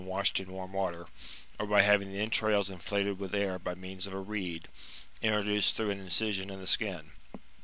washed in warm water, or by having the entrails inflated with air by means of a reed, introduced through an incision in the skin.